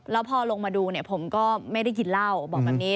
แล้วพอลงมาดูเนี่ยผมก็ไม่ได้กินเหล้าบอกแบบนี้